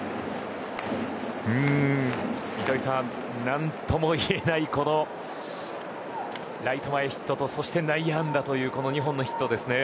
糸井さん、何とも言えないライト前ヒットとそして内野安打という２本のヒットですね。